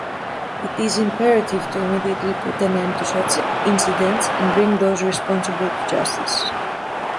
It is imperative to immediately put an end to such incidents and bring those responsible to justice.